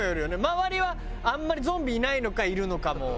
周りはあんまりゾンビいないのかいるのかも。